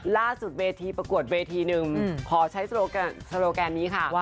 เวทีประกวดเวทีหนึ่งขอใช้โซโลแกนนี้ค่ะ